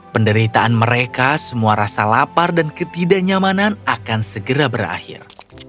penderitaan mereka semua rasa lapar dan ketidaknyamanan akan segera berakhir